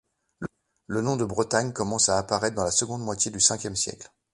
Le nom de Bretagne commence à apparaître dans la seconde moitié du Ve siècle.